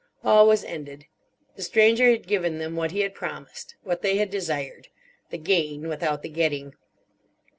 All was ended. The Stranger had given them what he had promised, what they had desired: the gain without the getting.